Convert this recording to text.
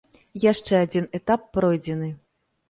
Яшчэ адзін этап пройдзены.